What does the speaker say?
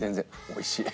おいしい？